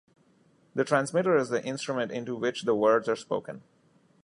The transmitter is the instrument into which the words are spoken.